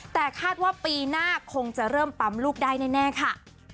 แต่คาดว่าปีหน้าคงจะเริ่มปั๊มลูกได้แน่ค่ะ